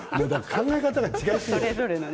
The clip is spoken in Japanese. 考え方が違いすぎる。